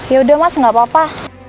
yaudah mas gak apa apa